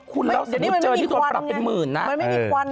คุณแล้วเจอที่ตัวปรับเป็นหมื่นนะมันไม่มีควัน